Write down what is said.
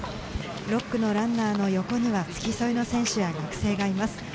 ６区のランナーの横には付き添いの選手や学生がいます。